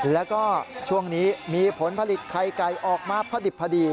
แล้วก็ช่วงนี้มีผลผลิตไข่ไก่ออกมาพอดิบพอดี